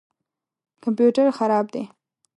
کمپیوټر خراب دی